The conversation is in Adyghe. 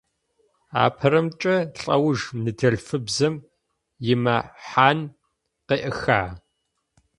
Апэрэмкӏэ, лӏэуж ныдэлъфыбзэм имэхьан къеӏыха?